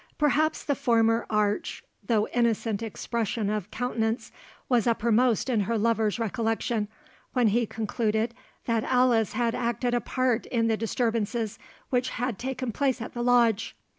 Perhaps the former arch, though innocent expression of countenance, was uppermost in her lover's recollection, when he concluded that Alice had acted a part in the disturbances which had taken place at the Lodge.